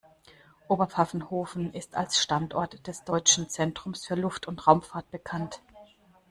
Oberpfaffenhofen ist als Standort des Deutschen Zentrums für Luft- und Raumfahrt bekannt.